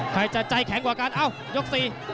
ใครจะใจแข็งกว่ากันเอ้ายก๔